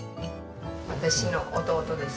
私の弟です。